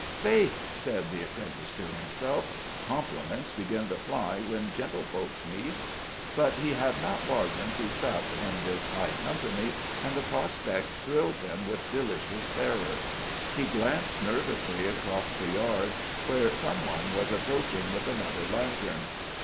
"Faith!" said the apprentice to himself, "compliments begin to fly when gentlefolks meet." But he had not bargained to sup in this high company, and the prospect thrilled him with delicious terror. He glanced nervously across the yard, where some one was approaching with another lantern.